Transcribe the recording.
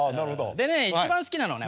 でね一番好きなのはね